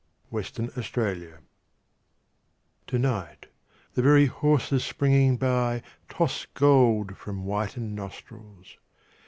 WINTER EVENING To night the very horses springing by Toss gold from whitened nostrils.